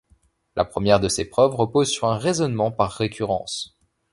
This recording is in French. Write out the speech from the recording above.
La première de ces preuves repose sur un raisonnement par récurrence.